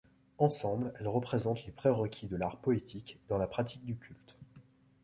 Ensemble, elles représentent les pré-requis de l'art poétique dans la pratique du culte.